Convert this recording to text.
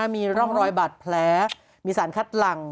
มีร่องรอยบาดแผลมีสารคัดหลัง